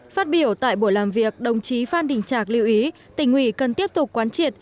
phát biểu tại buổi làm việc đồng chí phan đình trạc lưu ý tỉnh ủy cần tiếp tục quán triệt